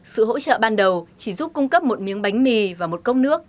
sự hỗ trợ ban đầu chỉ giúp cung cấp một miếng bánh mì và một cốc nước